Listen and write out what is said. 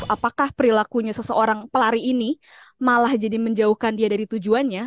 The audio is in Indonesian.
apakah perilakunya seseorang pelari ini malah jadi menjauhkan dia dari tujuannya